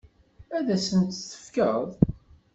Ad asen-tt-tefkeḍ?